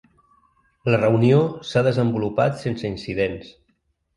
La reunió s’ha desenvolupat sense incidents.